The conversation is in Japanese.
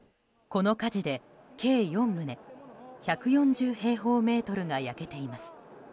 この火事で計４棟１４０平方メートルが焼けています。